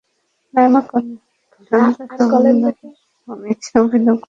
সন্তানসম্ভবা নারীর ভূমিকায় অভিনয় করতে গিয়ে তাঁকে ধারণ করতে হয়েছে সেই বেশ।